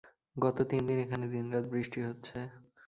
গত তিন দিন এখানে দিনরাত বৃষ্টি হচ্ছে।